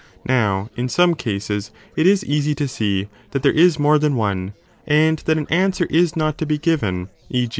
Now, in some cases, it is easy to see that there is more than one, and that an answer is not to be given, e.